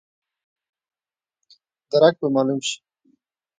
درک به مالوم شي.